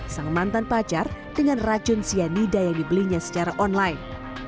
sang mantan pacar dengan racun cyanida yang dibelinya secara online